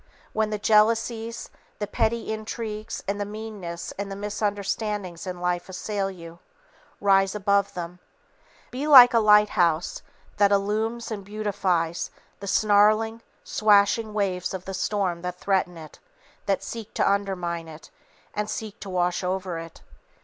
When the jealousies, the petty intrigues and the meannesses and the misunderstandings in life assail you, rise above them. Be like a lighthouse that illumines and beautifies the snarling, swashing waves of the storm that threaten it, that seek to undermine it and seek to wash over it.